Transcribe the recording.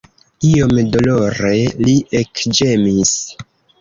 Iom dolore li ekĝemis.